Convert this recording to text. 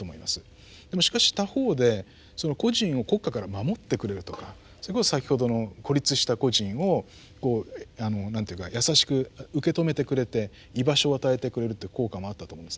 でもしかし他方で個人を国家から守ってくれるとかそれこそ先ほどの孤立した個人をこうなんて言うか優しく受け止めてくれて居場所を与えてくれるという効果もあったと思うんですね。